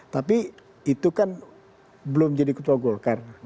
tapi itu kan belum jadi ketua golkar